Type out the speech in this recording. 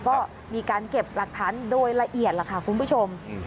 ก็มีการเก็บหลักฐานโดยละเอียดล่ะค่ะคุณผู้ชม